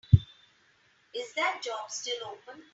Is that job still open?